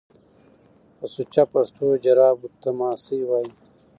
په سوچه پښتو جرابو ته ماسۍ وايي